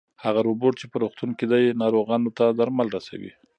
هغه روبوټ چې په روغتون کې دی ناروغانو ته درمل رسوي.